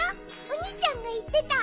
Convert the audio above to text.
おにいちゃんがいってた。